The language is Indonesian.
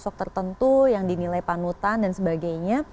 sosok tertentu yang dinilai panutan dan sebagainya